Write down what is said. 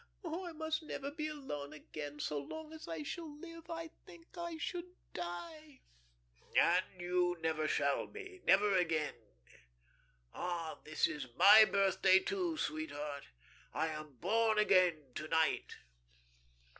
Oh, I must never be alone again so long as I shall live. I think I should die." "And you never shall be; never again. Ah, this is my birthday, too, sweetheart. I am born again to night."